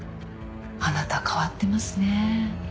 あなた変わってますね。